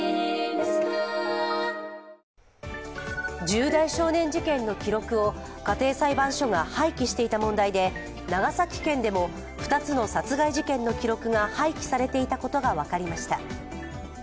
重大少年事件の記録を家庭裁判所が廃棄していた問題で長崎県でも２つの殺害事件の記録が廃棄されていたことが分かりました。